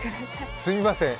すみません。